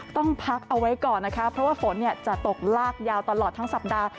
ต้องพักเอาไว้ก่อนนะคะเพราะว่าฝนจะตกลากยาวตลอดทั้งสัปดาห์